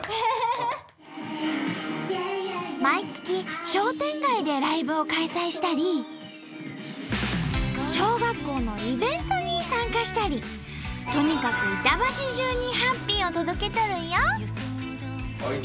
毎月商店街でライブを開催したり小学校のイベントに参加したりとにかく板橋じゅうにハッピーを届けとるんよ！